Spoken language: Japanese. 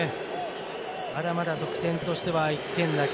まだまだ得点としては１点だけ。